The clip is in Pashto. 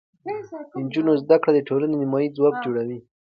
د نجونو زده کړه د ټولنې نیمایي ځواک جوړوي.